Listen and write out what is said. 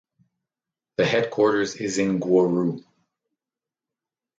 The headquarters is in Gweru.